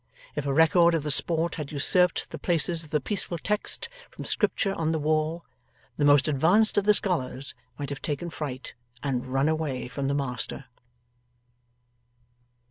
If a record of the sport had usurped the places of the peaceful texts from Scripture on the wall, the most advanced of the scholars might have taken fright and run away from the master.